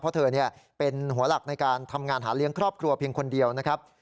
เพราะเธอเป็นหัวหลักในการทำงานหาเลี้ยงครอบครัวเพียงคนเดียวนะครับ